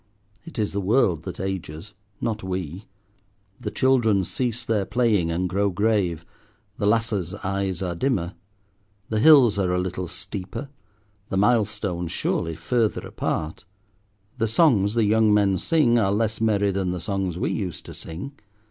It is the world that ages, not we. The children cease their playing and grow grave, the lasses' eyes are dimmer. The hills are a little steeper, the milestones, surely, further apart. The songs the young men sing are less merry than the songs we used to sing.